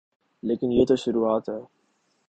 لیکن یہ تو شروعات ہے۔